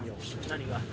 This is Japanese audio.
何が？